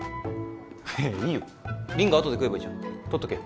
いいよ凛が後で食えばいいじゃんとっとけよ